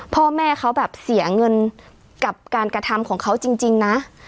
พ่อแม่เขาแบบเสียเงินกับการกระทำของเขาจริงนะ